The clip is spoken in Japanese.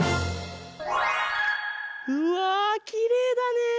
うわきれいだねえ！